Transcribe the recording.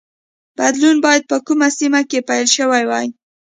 بدلون باید په کومه سیمه کې پیل شوی وای